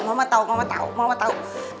mama tau mama tau